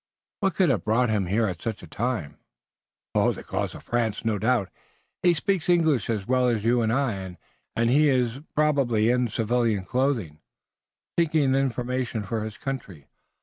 "What could have brought him here at such a time?" "The cause of France, no doubt. He speaks English as well as you and I, and he is probably in civilian clothing, seeking information for his country.